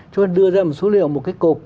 cho nên đưa ra một số liệu một cái cục